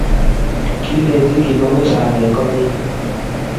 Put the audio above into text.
kilenji kimong'u sang' eng' kootnyin.